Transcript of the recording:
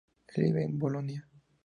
Él vive en Bolonia.